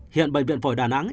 hiện bệnh viện phổi đà nẵng